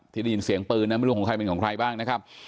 ได้ยินเสียงปืนนะไม่รู้ของใครเป็นของใครบ้างนะครับ